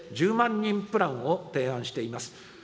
１０万人プランを提案しています。